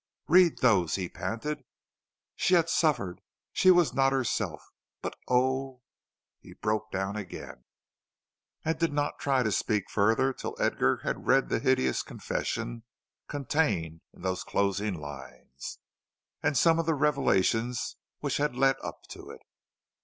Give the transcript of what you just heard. "Read those," he panted. "She had suffered; she was not herself, but, oh " He broke down again, and did not try to speak further till Edgar had read the hideous confession contained in those closing lines, and some of the revelations which had led up to it.